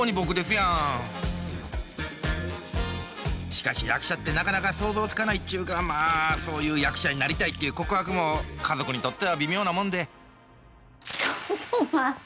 しかし役者ってなかなか想像つかないっちゅうかまあそういう役者になりたいっていう告白も家族にとっては微妙なもんでちょっと待って。